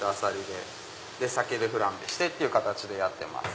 で酒でフランベしてという形でやってます。